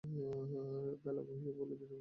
বেলা বহিয়া গেল– বিনয় আসিল না।